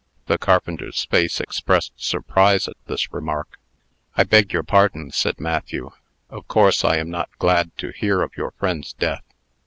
The carpenter's face expressed surprise at this remark. "I beg your pardon," said Matthew. "Of course I am not glad to hear of your friend's death.